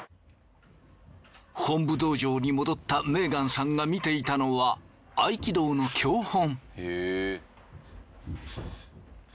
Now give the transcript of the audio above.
本部道場に戻ったメーガンさんが見ていたのは合気道の教本。